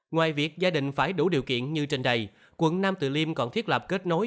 ngoài việc gia đình phải đủ điều kiện như trên đầy quận nam từ liêm còn thiết lập kết nối